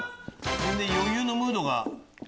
全然余裕のムードが。